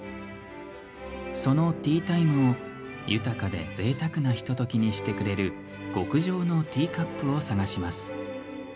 そのティータイムを豊かでぜいたくなひとときにしてくれる極上のティーカップを探します。